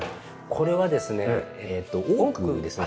これはですねオークですね。